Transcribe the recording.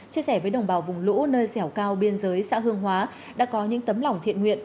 chia sẻ với đồng bào vùng lũ nơi dẻo cao biên giới xã hương hóa đã có những tấm lòng thiện nguyện